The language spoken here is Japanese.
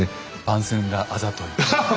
番宣があざとい。